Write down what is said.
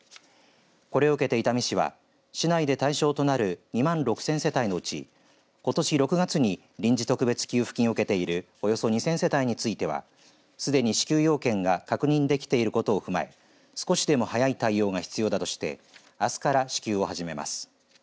これを受けて伊丹市は市内で対象となる２万６０００世帯のうちことし６月に臨時特別給付金を受けているおよそ２０００世帯についてはすでに支給要件が確認できていることを踏まえ少しでも早い対応が必要だとしてあすから支給を始めます。